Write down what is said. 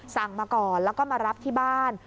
มาก่อนแล้วก็มารับที่บ้าน